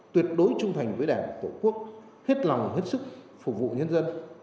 tuyệt đối trung thành với đảng tổ quốc hết lòng hết sức phục vụ nhân dân